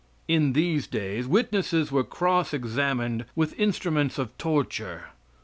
In these days witnesses were cross examined with instruments of torture.